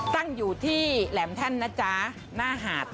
ตั้งอยู่ที่แหลมแท่นนะจ๊ะหน้าหาด